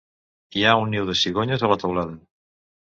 Hi ha un niu de cigonyes a la teulada.